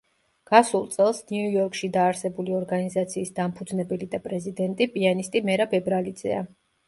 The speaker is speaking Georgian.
გასულ წელს, ნიუ-იორკში დაარსებული ორგანიზაციის დამფუძნებელი და პრეზიდენტი, პიანისტი მერაბ ებრალიძეა.